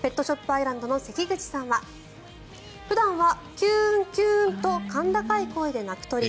アイランドの関口さんは普段はキューンキューンと甲高い声で鳴く鳥。